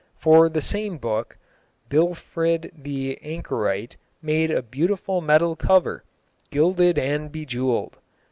For the same book Billfrið the anchorite made a beautiful metal cover, gilded and bejewelled.